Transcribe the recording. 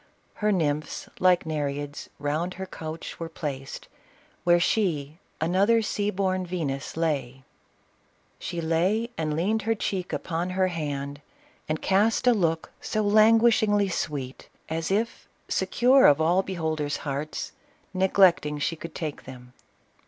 Her tiymphs, like Nereids, round her couch were placed, Where she, another sea born Venus, lay. She lay and Ican'd her cheek upon her hand, CLEOPATRA. 85 And cast a look so languishing sweet, As if, secure of all beholders' hearts, Neglecting she could take them.